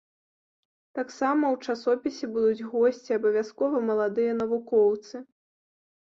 Таксама ў часопісе будуць госці, абавязкова маладыя навукоўцы.